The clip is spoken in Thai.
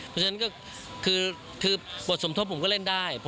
เพราะฉะนั้นก็คือบทสมทบผมก็เล่นได้